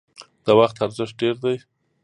د وخت ارزښت ډیر دی